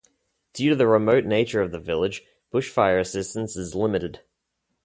Due to the remote nature of the village bushfire assistance is limited.